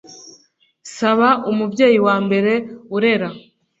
saba umubyeyi wa mbere urera